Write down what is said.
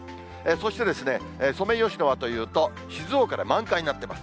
そしてソメイヨシノはというと、静岡で満開になってます。